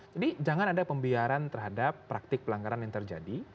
jadi jangan ada pembiaran terhadap praktik pelanggaran yang terjadi